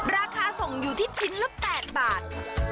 ราคาส่งอยู่ที่ชิ้นละ๘บาท